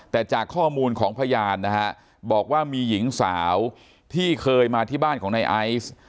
แต่จากข้อมูลของพยานนะฮะบอกว่ามีหญิงสาวที่เคยมาที่บ้านของนายไอซ์